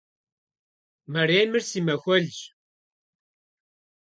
Мэремыр си махуэлщ.